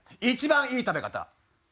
一番いい食べ方。